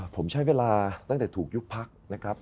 ผมใช้เวลาตั้งแต่ถูกยุบพักนะครับ